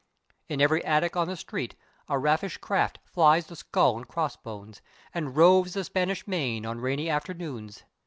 In every attic on the street a rakish craft flies the skull and crossbones, and roves the Spanish Main on rainy afternoons.